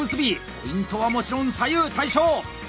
ポイントはもちろん左右対称。